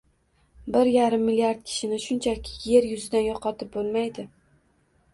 Bir yarim milliard kishini shunchaki yer yuzidan yo‘qotib bo‘lmaydi